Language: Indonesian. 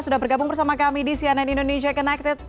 sudah bergabung bersama kami di cnn indonesia connected